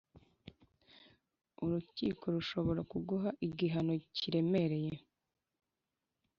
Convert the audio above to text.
Urukiko rushobora kuguha igihano kiremereye